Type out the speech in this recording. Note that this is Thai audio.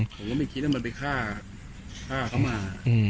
ผมก็ไม่คิดว่ามันไปฆ่าเขามา